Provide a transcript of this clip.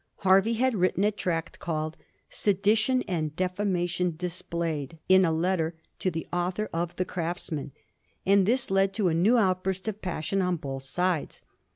Hervey had written a tract called * Sedition and Defamation dis played ; in a Letter to the Author of the Crafts Tnan;' and this led to a new outburst of passion on both sides.